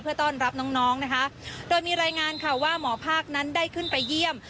เพื่อต้อนรับน้องน้องนะคะโดยมีรายงานค่ะว่าหมอภาคนั้นได้ขึ้นไปเยี่ยม